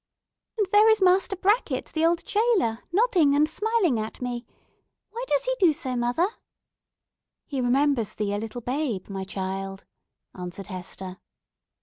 And there is Master Brackett, the old jailer, nodding and smiling at me. Why does he do so, mother?" "He remembers thee a little babe, my child," answered Hester.